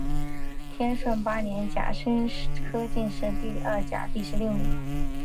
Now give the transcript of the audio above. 天顺八年甲申科进士第二甲第十六名。